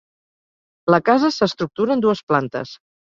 La casa s'estructura en dues plantes.